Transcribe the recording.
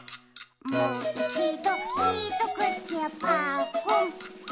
「もういちどひとくちぱっくん」ま。